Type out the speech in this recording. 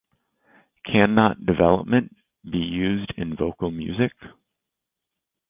Cannot development be used in vocal music?